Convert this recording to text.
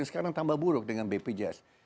sekarang tambah buruk dengan bpjs